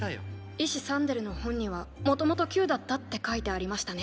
医師サンデルの本にはもともと球だったって書いてありましたね。